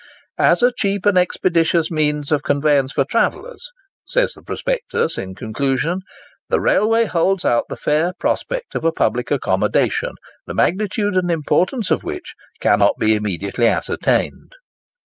"As a cheap and expeditious means of conveyance for travellers," says the prospectus in conclusion, "the railway holds out the fair prospect of a public accommodation, the magnitude and importance of which cannot be immediately ascertained."